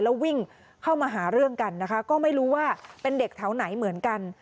แล้ววิ่งเข้ามาหาเรื่องกันนะคะก็ไม่รู้ว่าเป็นเด็กแถวไหนเหมือนกัน